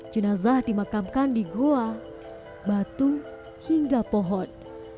jenazah dimakamkan di goa batu hingga pohon